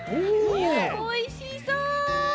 おいしそう。